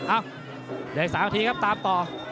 เอ้าเดี๋ยวอีก๓นาทีครับตามต่อ